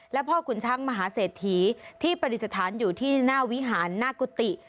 และพ่อขุนช้างมหาเศรษฐีที่ปฏิสถานอยู่ที่หน้าวิหารหน้ากุฏิ